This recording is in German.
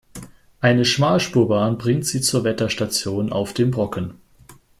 Eine Schmalspurbahn bringt Sie zur Wetterstation auf dem Brocken.